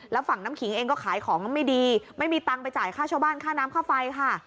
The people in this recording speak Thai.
แล้วฝั่งน้ำขิงเองก็ขายของไม่ดีไม่มีตังค์ไปจ่ายค่าเช่าบ้านค่าน้ำค่าไฟค่ะ